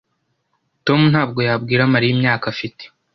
Tom ntabwo yabwira Mariya imyaka afite.